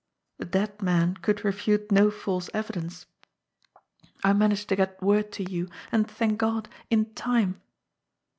A dead man could refute no false evidence ! I managed to get word to you, and, thank God, in time.